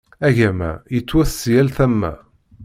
Agama yettwet si yal tama.